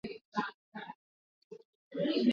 mashaka na hali ya kutokuweko uhakika wa mambo